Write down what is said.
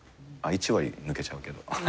１割抜けちゃうけど。